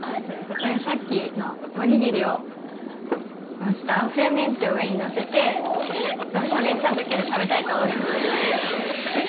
さっきのおにぎりをメンチを上にのせて、わさび茶漬けで食べたいと思います。